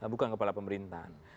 bukan kepala pemerintahan